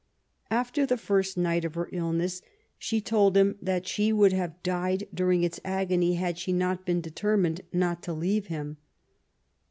After the first night of her illness she told him that she would have died during its agony had she not been determined not to leave him.